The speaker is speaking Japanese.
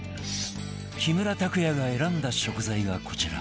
木村拓哉が選んだ食材がこちら